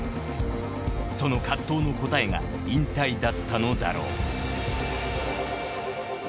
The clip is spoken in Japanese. その葛藤の答えが引退だったのだろう